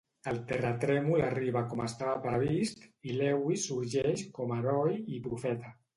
El terratrèmol arriba com estava previst, i Lewis sorgeix com a heroi i profeta.